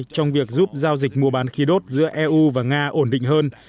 trong việc giúp giao dịch mua bán khí đốt giữa eu và nga ổn định hơn